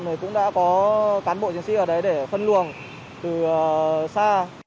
thì cũng đã có cán bộ chiến sĩ ở đấy để phân luồng từ xa